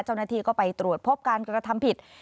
เจ้าหน้าที่ก็ไปตรวจพบการกระทำผิด